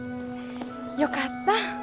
よかった。